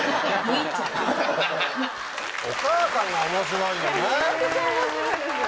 お母さんが面白いよね。